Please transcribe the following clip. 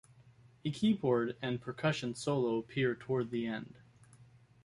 A keyboard and percussion solo appear toward the end.